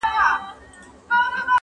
په نړۍ کي داسي ستونزي پیدا کېږي.!